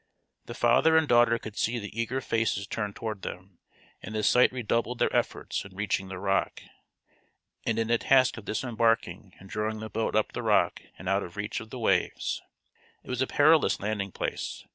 The father and daughter could see the eager faces turned toward them, and the sight redoubled their efforts in reaching the rock, and in the task of disembarking and drawing the boat up the rock and out of reach of the waves. It was a perilous landing place.